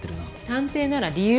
探偵なら理由を。